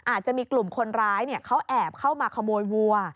อาจจะมีกลุ่มคนร้ายเขาแอบเข้ามาขโมยวัว